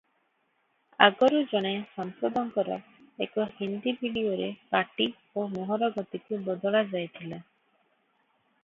ଆଗରୁ ଜଣେ ସାଂସଦଙ୍କର ଏକ ହିନ୍ଦୀ ଭିଡ଼ିଓରେ ପାଟି ଓ ମୁହଁର ଗତିକୁ ବଦଳାଯାଇଥିଲା ।